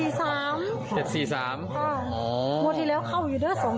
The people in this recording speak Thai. ๗๔๓อ๋องวดที่แล้วเข้าอยู่ด้วย